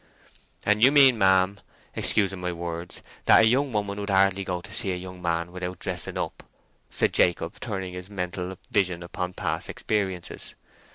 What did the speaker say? "And you mean, ma'am, excusing my words, that a young woman would hardly go to see her young man without dressing up," said Jacob, turning his mental vision upon past experiences.